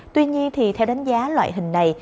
tuy nhiên theo đánh giá loại hình này